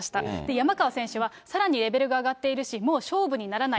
山川選手は、さらにレベルが上がっているし、もう勝負にならない。